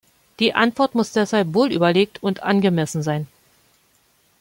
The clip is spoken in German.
Die Antwort muss deshalb wohl überlegt und angemessen sein.